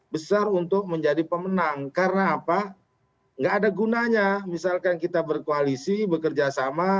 besar untuk menjadi pemenang karena apa enggak ada gunanya misalkan kita berkoalisi bekerja sama